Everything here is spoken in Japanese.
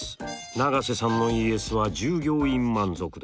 永瀬さんのＥＳは従業員満足度。